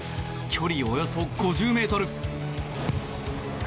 距離およそ５０ｍ。